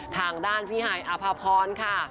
ทางด้านพี่หายอภพรค่ะ